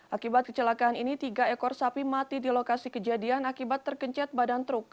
akibat kecelakaan ini tiga ekor sapi mati di lokasi kejadian akibat tergencet badan truk